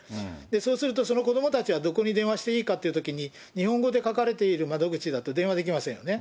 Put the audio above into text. そうすると、その子どもたちはどこに電話していいかというときに、日本語で書かれている窓口だと電話できませんよね。